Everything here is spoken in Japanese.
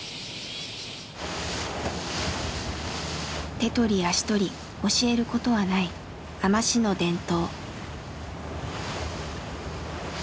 手取り足取り教えることはない海士の伝統。